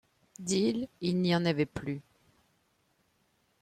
D’île, il n’y en avait plus!